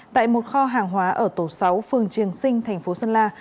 tại một kho hàng hóa ở tổ sáu phường triềng sinh thành phố sơn la